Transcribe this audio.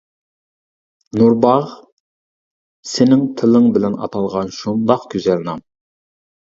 «نۇرباغ» سېنىڭ تىلىڭ بىلەن ئاتالغان شۇنداق گۈزەل نام.